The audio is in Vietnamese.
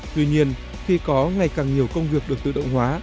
tuy nhiên khi có ngày càng nhiều công việc được tự động hóa